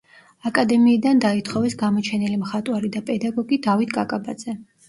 აკადემიიდან დაითხოვეს გამოჩენილი მხატვარი და პედაგოგი დავით კაკაბაძე.